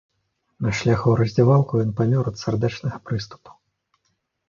Па шляху ў раздзявалку ён памёр ад сардэчнага прыступу.